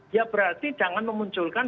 ya berarti jangan memunculkan